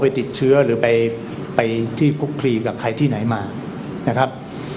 ไปติดเชื้อหรือไปที่คุบคลีกับใครมานะครับ